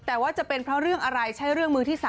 แต่ว่าจะเป็นเพราะเรื่องอะไรใช่เรื่องมือที่๓